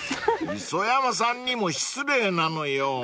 ［磯山さんにも失礼なのよ］